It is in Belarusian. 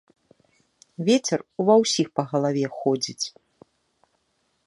Вецер у ва ўсіх па галаве ходзіць.